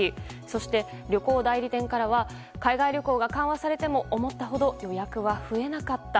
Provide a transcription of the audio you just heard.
そして、旅行代理店からは海外旅行が緩和されても思ったほど予約は増えなかった。